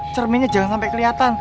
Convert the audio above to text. cerminnya jangan sampai keliatan